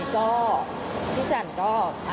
ก็พี่จันก็